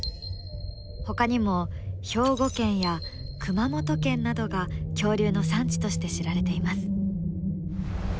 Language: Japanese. ほかにも兵庫県や熊本県などが恐竜の産地として知られています。